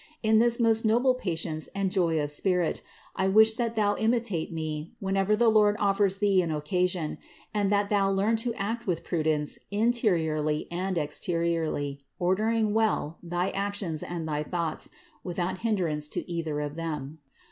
In this most noble patience and joy of spirit I wish that thou imitate me whenever the Lord offers thee an occasion; and that thou learn to act with prudence interiorly and exteriorly, ordering well thy actions and thy thoughts, without hindrance to either of them.